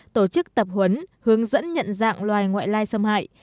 tổ chức tập huấn hướng dẫn nhận dạng loài ngoại lai xâm hại